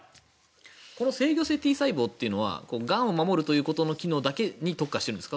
この制御性Ｔ細胞というのはがんを守るということの機能だけに特化してるんですか？